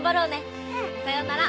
うん。さようなら。